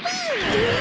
うわ！